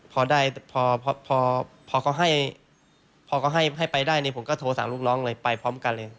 พอได้พอเขาให้ไปได้ผมก็โทรสามลูกน้องไปพร้อมกันเลย